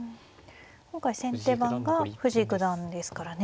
今回先手番が藤井九段ですからね。